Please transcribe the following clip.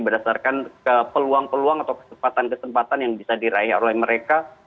berdasarkan peluang peluang atau kesempatan kesempatan yang bisa diraih oleh mereka